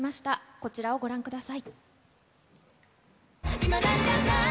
こちらをご覧ください。